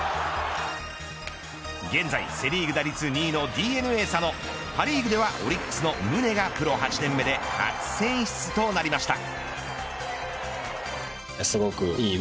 現在セ・リーグ打率２位のＤｅＮＡ、佐野パ・リーグではオリックスの宗がプロ８年目で初選出となりました。